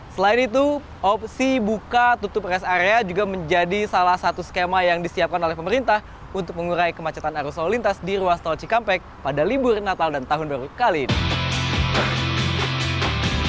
selain itu opsi buka tutup rest area juga menjadi salah satu skema yang disiapkan oleh pemerintah untuk mengurai kemacetan arus lalu lintas di ruas tol cikampek pada libur natal dan tahun baru kali ini